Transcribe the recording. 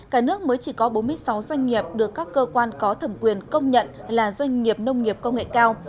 cả nước mới chỉ có bốn mươi sáu doanh nghiệp được các cơ quan có thẩm quyền công nhận là doanh nghiệp nông nghiệp công nghệ cao